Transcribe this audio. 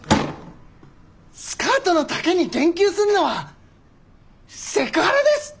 スカートの丈に言及するのはセクハラです！